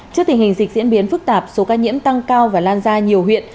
trước tình hình dịch diễn biến phức tạp số ca nhiễm tăng cao và lan ra nhiều huyện